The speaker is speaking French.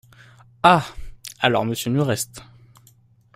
Ah ! alors monsieur nous reste…